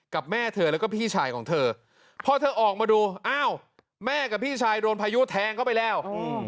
แม่เธอแล้วก็พี่ชายของเธอพอเธอออกมาดูอ้าวแม่กับพี่ชายโดนพายุแทงเข้าไปแล้ว